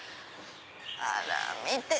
あら見て！